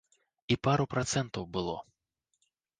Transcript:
І пару працэнтаў было.